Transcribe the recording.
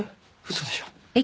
嘘でしょ。